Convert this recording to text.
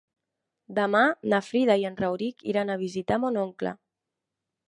Demà na Frida i en Rauric iran a visitar mon oncle.